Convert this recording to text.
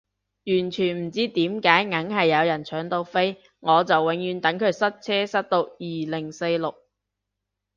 完全唔知點解硬係有人搶到飛，我就永遠等佢塞車塞到二零四六